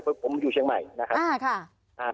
ผมอยู่เชียงใหม่นะครับ